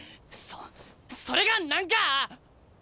そそれが何か！？